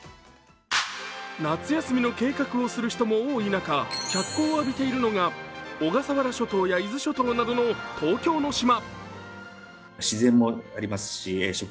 夏休みの計画をする人も多い中、脚光を浴びているのが小笠原諸島や伊豆諸島などの東京の島。